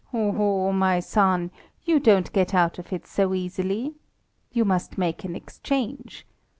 "Oho! my son! You don't get out of it so easily. You must make an exchange.